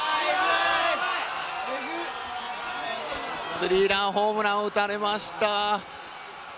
スリーランホームランを打たれました。